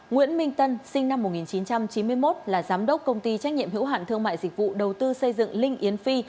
nguyễn minh tân sinh năm một nghìn chín trăm chín mươi một là giám đốc công ty trách nhiệm hữu hạn thương mại dịch vụ đầu tư xây dựng linh yến phi